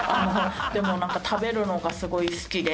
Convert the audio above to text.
でも食べるのがすごい好きで。